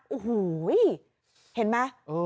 อู้หูยเห็นป่ะ